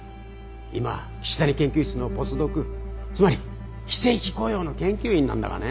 今岸谷研究室のポスドクつまり非正規雇用の研究員なんだがね。